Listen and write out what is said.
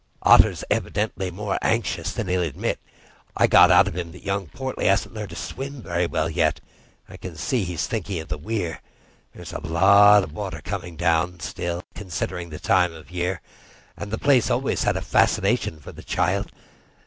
Otter's evidently more anxious than he'll admit. I got out of him that young Portly hasn't learnt to swim very well yet, and I can see he's thinking of the weir. There's a lot of water coming down still, considering the time of the year, and the place always had a fascination for the child.